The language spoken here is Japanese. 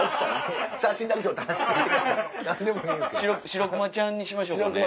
白くまちゃんにしましょうかね。